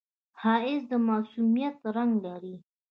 ښایست د معصومیت رنگ لري